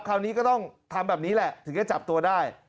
คราวนี้ก็ต้องทำแบบนี้แหละถึงจะจับตัวได้